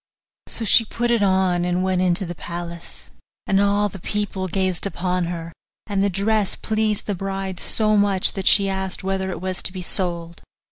So she put it on, and went into the palace, and all the people gazed upon her; and the dress pleased the bride so much that she asked whether it was to be sold.